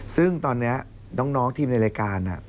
ซึ่งตอนนี้น้องทีมในรายการ